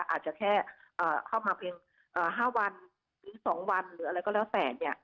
อาจจะแค่เข้ามาเพียง๕วันหรือ๒วันหรืออะไรก็แล้วแต่